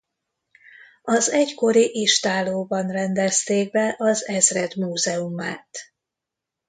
Az egykori istállóban rendezték be az ezred múzeumát.